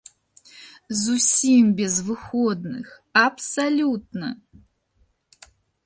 Зусім без выходных, абсалютна.